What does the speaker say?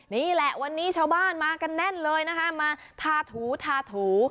นี่แหละวันนี้ชาวบ้านมากันแน่นเลยนะคะมาทาถูทาถู